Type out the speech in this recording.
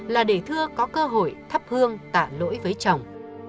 là để thưa có cơ hội thắp hương tạ lỗi với chồng